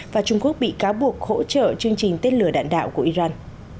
và trung quốc bị cáo buộc hỗ trợ chương trình tên lửa đạn đạo của iran